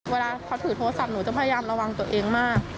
เวลาเขาถือโทรศัพท์หนูจะพยายามระวังตัวเองมาก